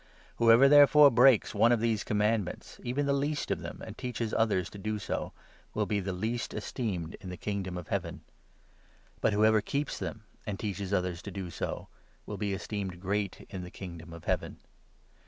Whoever, therefore, breaks one of these commandments, even the least of them, and teaches others to do so, will be the least esteemed in the Kingdom of Heaven ; but whoever keeps them, and teaches others to do so, will be esteemed great in the Kingdom of Heaven.